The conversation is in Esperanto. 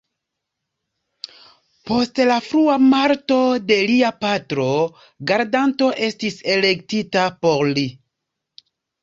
Post la frua morto de lia patro, gardanto estis elektita por li.